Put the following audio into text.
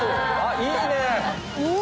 いいねぇ。